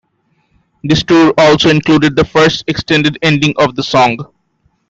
This tour also included the first extended ending of the song.